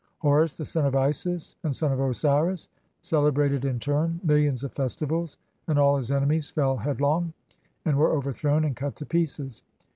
Horus the son of Isis and son of "Osiris celebrated in turn millions of festivals, and all his ene "mies fell headlong, and were overthrown and cut to pieces.